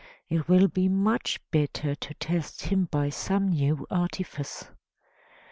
It will be much better to test him by some new artifice."